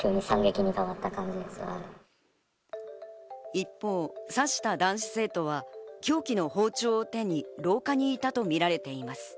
一方、刺した男子生徒は凶器の包丁を手に廊下にいたとみられています。